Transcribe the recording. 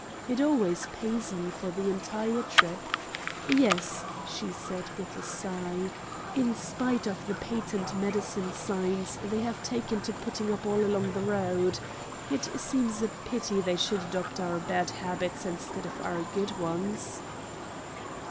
It always pays me for the entire trip. Yes," she said, with a sigh, "in spite of the patent medicine signs they have taken to putting up all along the road. It seems a pity they should adopt our bad habits instead of our good ones."